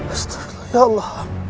astagfirullah ya allah